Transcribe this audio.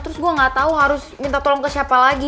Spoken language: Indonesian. terus gue gak tau harus minta tolong ke siapa lagi